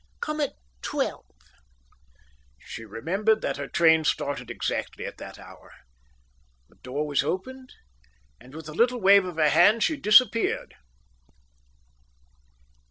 Come at twelve." She remembered that her train started exactly at that hour. The door was opened, and with a little wave of the hand she disappeared.